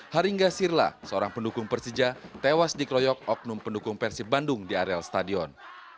haringga sirla seorang pendukung persija tewas dikroyok oknum pendukung persib bandung di areal stadion